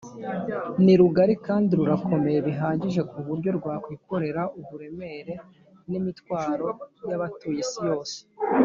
ni rugari kandi rurakomeye bihagije ku buryo rwakwikorera uburemere n’imitwaro y’abatuye isi yose